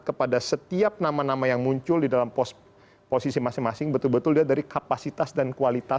kepada setiap nama nama yang muncul di dalam posisi masing masing betul betul dia dari kapasitas dan kualitas